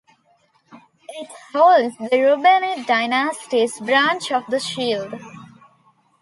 It holds the Rubenid Dynasty's branch of the shield.